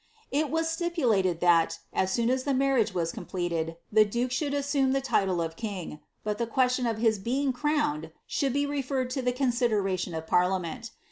'" It was stipulated that, as soon as the marriage was completed, the duke siioulJ assume the title of king, but ibe question of his being crowned should be referred to the conBideraiion of parliament.